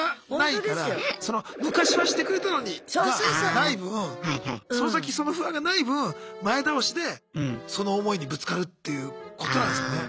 がない分その先その不安がない分前倒しでその思いにぶつかるっていうことなんすかね。